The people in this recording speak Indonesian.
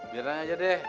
biarin aja deh